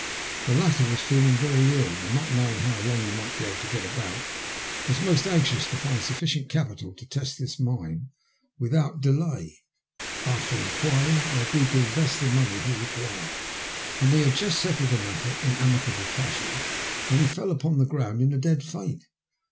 The latter was feeling very ill, and not knowing how long he might be able to get about, was most anxious to find sufficient capital to test this mine without J MT CHANCE IN LIFB. 99 delay. After enqoirj I agreed to invest the money he required, and we had just settled the matter in amicable fashion when he fell upon the ground in a dead faint.